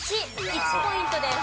１ポイントです。